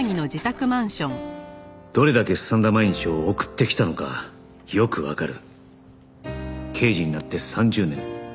「どれだけすさんだ毎日を送ってきたのかよくわかる」「刑事になって３０年」